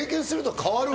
変わるわ！